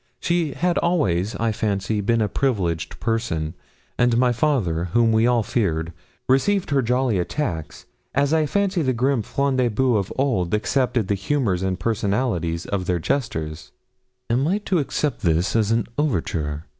She had always, I fancy, been a privileged person, and my father, whom we all feared, received her jolly attacks, as I fancy the grim Front de Boeufs of old accepted the humours and personalities of their jesters. 'Am I to accept this as an overture?'